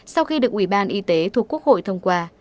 sau khi được ủy ban y tế thuộc quốc hội thông qua